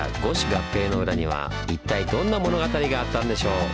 合併の裏には一体どんな物語があったんでしょう？